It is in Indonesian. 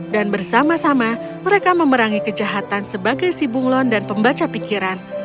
dan bersama sama mereka memerangi kejahatan sebagai sibunglon dan pembaca pikiran